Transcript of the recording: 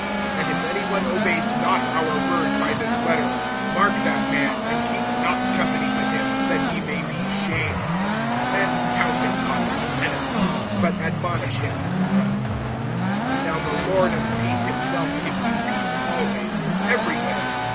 (14)And if any one obeys not our word by this letter, mark that man, and keep not company with him, that he may be shamed. (15)And count him not as an enemy, but admonish him as a brother. (16)Now the Lord of peace himself give you peace always, in every way.